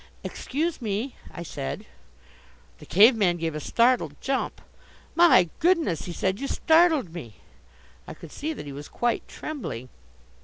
"Excuse me!" I said. The Cave man gave a startled jump. "My goodness," he said, "you startled me!" I could see that he was quite trembling.